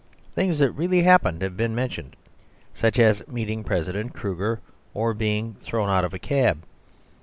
Things that really happened have been mentioned, such as meeting President Kruger or being thrown out of a cab.